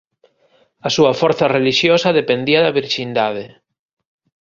A súa forza relixiosa dependía da virxindade.